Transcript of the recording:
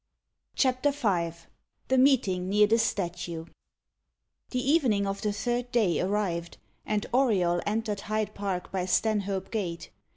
CHAPTER V THE MEETING NEAR THE STATUE The evening of the third day arrived, and Auriol entered Hyde Park by Stanhope Gate.